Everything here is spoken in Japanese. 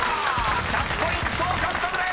１００ポイント獲得です］